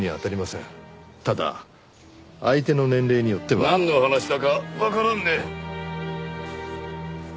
ただ相手の年齢によっては。なんの話だかわからんね。